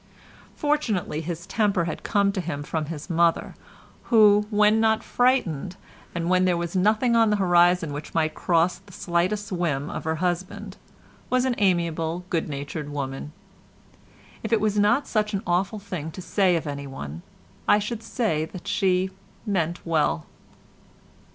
Fortunately his temper had come to him from his mother, who, when not frightened, and when there was nothing on the horizon which might cross the slightest whim of her husband, was an amiable, good natured woman. If it was not such an awful thing to say of anyone, I should say that she meant well.